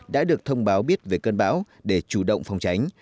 đã được thông báo biết về cơn bão để chủ động phòng tránh